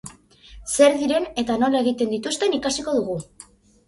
Zer diren eta nola egiten dituzten ikusiko dugu.